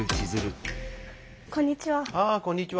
こんにちは。